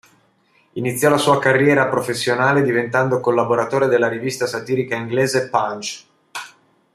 Iniziò la sua carriera professionale diventando collaboratore della rivista satirica inglese "Punch".